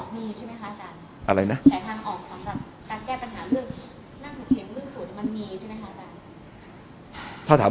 อเจมส์แต่ทางออกมีใช่ไหมคะอาจารย์